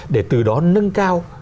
để từ đó nâng cao